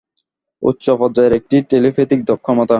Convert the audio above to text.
উচ্চ পর্যায়ের একটি টেলিপ্যাথিক ক্ষমতা।